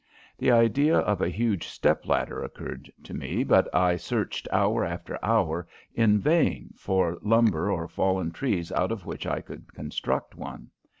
The idea of a huge step ladder occurred to me, but I searched hour after hour in vain for lumber or fallen trees out of which I could construct one.